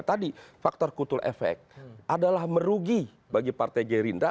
tadi faktor kutul efek adalah merugi bagi partai gerindra